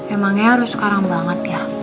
emangnya harus sekarang banget ya